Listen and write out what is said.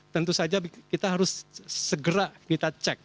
tentu saja kita harus segera kita cek